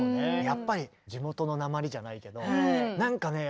やっぱり地元のなまりじゃないけどなんかね